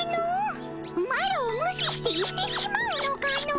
マロをむしして行ってしまうのかの。